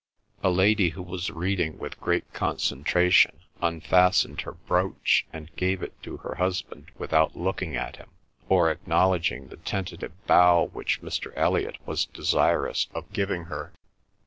A lady, who was reading with great concentration, unfastened her brooch and gave it to her husband without looking at him or acknowledging the tentative bow which Mr. Elliot was desirous of giving her.